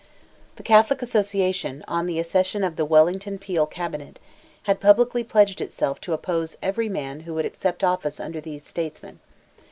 The Catholic Association, on the accession of the Wellington Peel Cabinet, had publicly pledged itself to oppose every man who would accept office under these statesmen.